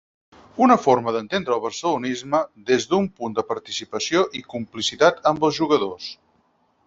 Una forma d'entendre el barcelonisme des d'un punt de participació i complicitat amb els jugadors.